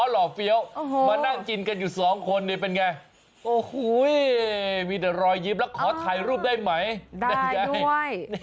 รอยยิบแล้วขอถ่ายรูปได้ไหมได้ด้วย